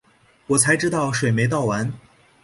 我才知道水没倒完